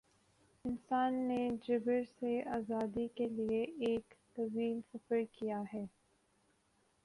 انسان نے جبر سے آزادی کے لیے ایک طویل سفر کیا ہے۔